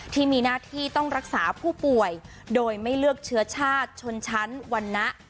ที่มีหน้าที่ต้องรักษาผู้ป่วยโดยไม่เลือกเชื้อชาติชนชั้นวรรณะ